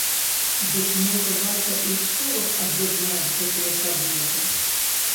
Дык, можа, варта і ў школах аб'яднаць гэтыя прадметы?